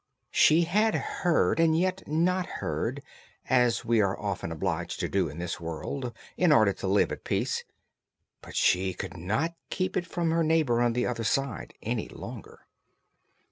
She had heard and yet not heard, as we are often obliged to do in this world, in order to live at peace; but she could not keep it from her neighbour on the other side any longer.